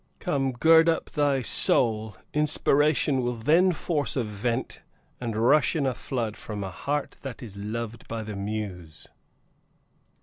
Come! Gird up thy soul! Inspiration will then force a vent And rush in a flood from a heart that is loved by the muse!"